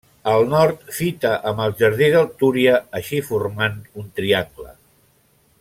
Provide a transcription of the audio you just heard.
Al nord fita amb el Jardí del Túria, així formant un triangle.